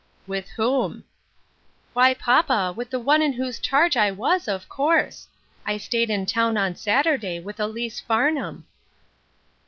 "With whom ?"" Why, papa, with the one in whose charge I was, of course. I stayed in town on Saturday with Ellice Farnham."